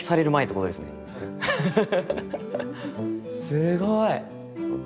すごい！